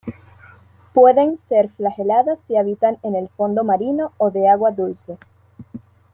Pueden ser flageladas y habitan en el fondo marino o de agua dulce.